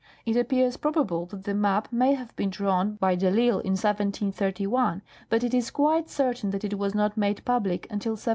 It appears probable that the map . may have been drawn by de I'Isle in 1731, but it is quite certain that it was not made public until 1732.